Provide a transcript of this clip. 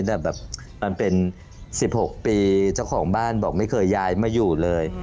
แต่แบบมันเป็น๑๖ปีเจ้าของบ้านบอกไม่เคยย้ายมาอยู่เลย